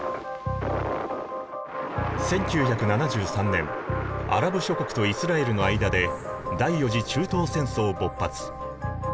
１９７３年アラブ諸国とイスラエルの間で第４次中東戦争勃発。